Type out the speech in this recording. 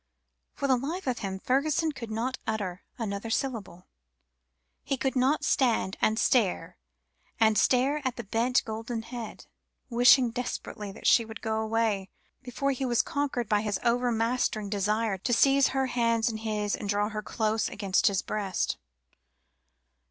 For the life of him, Fergusson could not utter another syllable; he could only stand and stare and stare at the bent golden head, wishing desperately that she would go away, before he was conquered by his overmastering desire to seize her hands in his, and draw her close against his breast.